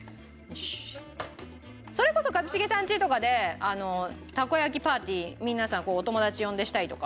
それこそ一茂さんちとかでたこ焼きパーティー皆さんお友達呼んでしたりとか。